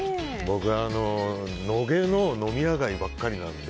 僕、野毛の飲み屋街ばっかりなので。